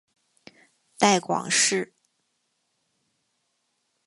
带广市